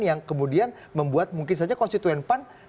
yang kemudian membuat mungkin saja konstituen pan